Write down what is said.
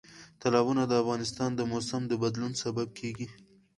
تالابونه د افغانستان د موسم د بدلون سبب کېږي.